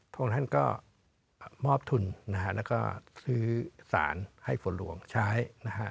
พระองค์ท่านก็มอบทุนนะฮะแล้วก็ซื้อสารให้ฝนหลวงใช้นะฮะ